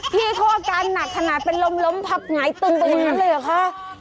พี่โฆษะอาการหนักขนาดเป็นลมถับไหงตึงน้ำเลยหรือคะ